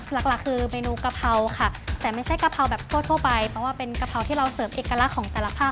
หลักหลักคือเมนูกะเพราค่ะแต่ไม่ใช่กะเพราแบบทั่วไปเพราะว่าเป็นกะเพราที่เราเสริมเอกลักษณ์ของแต่ละภาค